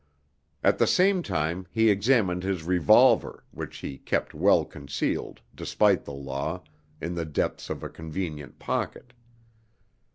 At the same time he examined his revolver, which he kept well concealed, despite the law, in the depths of a convenient pocket.